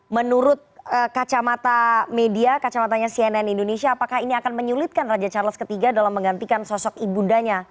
menurut kacamata media kacamatanya cnn indonesia apakah ini akan menyulitkan raja charles iii dalam menggantikan sosok ibu undanya